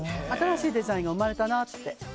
新しいデザインが生まれたなって。